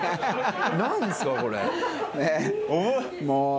もう。